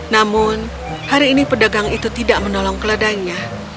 namun hari ini pedagang itu tidak menolong keledainya